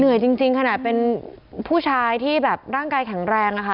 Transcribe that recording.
จริงขนาดเป็นผู้ชายที่แบบร่างกายแข็งแรงอะค่ะ